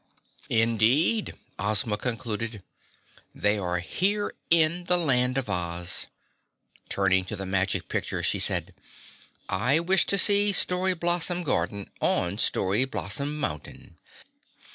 "Instead," Ozma concluded, "they are here in the Land of Oz." Turning to the Magic Picture, she said, "I wish to see Story Blossom Garden on Story Blossom Mountain."